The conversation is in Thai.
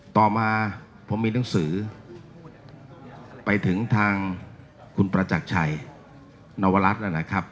ต่อมาผมมีหนังสือไปถึงทางคุณประจักรชัยนวรัฐนะครับ